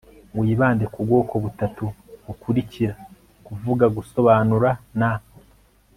wibande ku bwoko butatu bukurikira kuvuga, gusobanura na